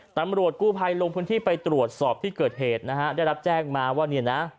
ตำรวจกู้ภัยลงพื้นที่ไปตรวจสอบที่เกิดเหตุนะฮะได้รับแจ้งมาว่าเนี่ยนะ